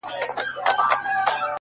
ما په اول ځل هم چنداني گټه ونه کړه ـ